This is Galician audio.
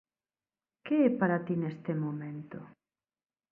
Que é para ti neste momento?